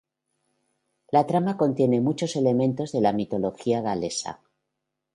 La trama contiene muchos elementos de la mitología galesa.